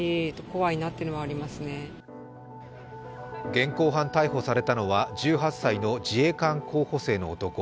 現行犯逮捕されたのは１８歳の自衛官候補生の男。